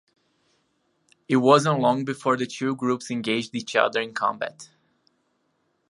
It wasn't long before the two groups engaged each other in combat.